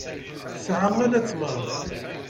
Tesɛa ala tmeṛ.